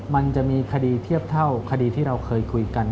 มันจะมีคดีเทียบเท่าคดีที่เราเคยคุยกัน